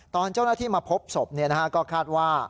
ตอนเจ้าหน้าที่มาพบศพก็คาดว่า